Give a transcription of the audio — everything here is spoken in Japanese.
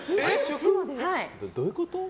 どういうこと？